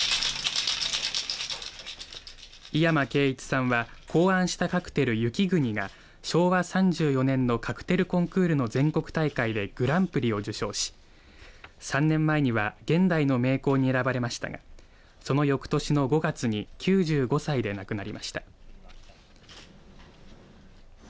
井山計一さんは考案したカクテル雪国が昭和３４年のカクテルコンクールの全国大会でグランプリを受賞し３年前には現代の名工に選ばれましたがその翌年の５月に９５歳で亡くなりました。